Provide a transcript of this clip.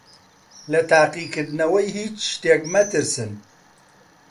لە تاقیکردنەوەی هیچ شتێک مەترسن.